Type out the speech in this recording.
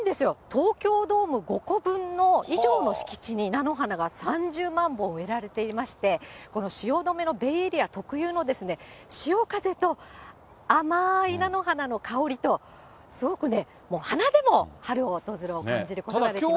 東京ドーム５個分以上の敷地に菜の花が３０万本植えられていまして、この汐留のベイエリア特有の潮風と、甘い菜の花の香りと、すごくね、鼻でも春の訪れを感じることができます。